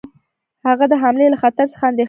هغه د حملې له خطر څخه اندېښمن نه دی.